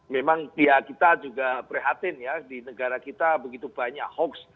memang pihak kita juga prihatin ya di negara kita begitu banyak hoax